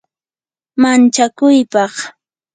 manchakuypaq